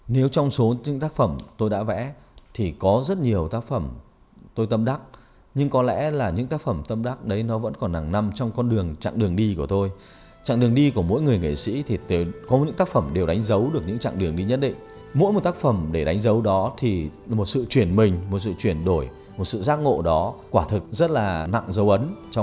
nếu nói về một tác phẩm nào cụ thể thì rất là khó